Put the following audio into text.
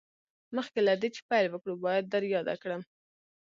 مخکې له دې چې پیل وکړو باید در یاده کړم